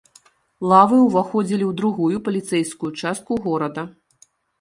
Лавы ўваходзілі ў другую паліцэйскую частку горада.